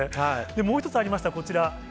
もう一つありました、こちら。